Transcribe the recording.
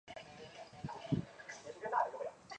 邵伯温。